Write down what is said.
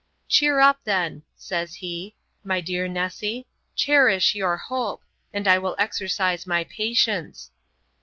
'Cheer up then,' says he, 'my dear Nessy; cherish your hope, and I will exercise my patience.'